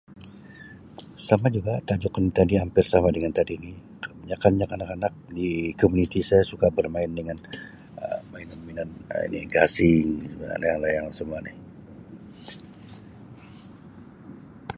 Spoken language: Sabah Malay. Sama juga tajuk ini tadi hampir sama dengan tadi ni kebanyakkan kanak-kanak di komuniti saya suka bermain dengan Um mainan-mainan Um ini gasing, Um layang-layang semua ni